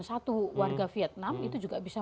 satu warga vietnam itu juga bisa